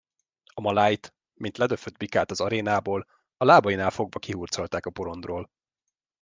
A malájt, mint ledöfött bikát az arénából, a lábainál fogva kihurcolták a porondról.